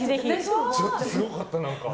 ちょっとすごかった。